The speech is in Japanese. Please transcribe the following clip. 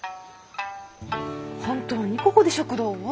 本当にここで食堂を？